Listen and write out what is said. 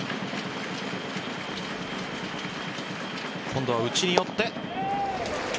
今度は内に寄って。